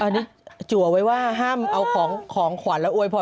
นี่จัวไว้ว่าห้ามเอาของขวัญแล้วอวยพร